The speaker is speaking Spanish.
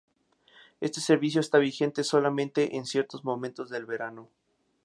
Este servicio está vigente solamente en ciertos momentos del verano.